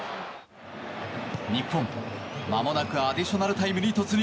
日本、まもなくアディショナルタイムに突入。